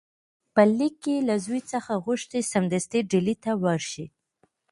په لیک کې له زوی څخه غوښتي سمدستي ډهلي ته ورشي.